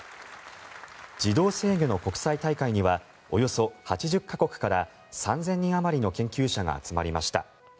自動制御の国際大会にはおよそ８０か国から３０００人あまりの研究者が集まりました。